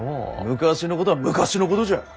昔のことは昔のことじゃ。